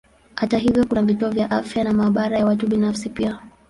Hata hivyo kuna vituo vya afya na maabara ya watu binafsi pia.